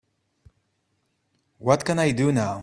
what can I do now?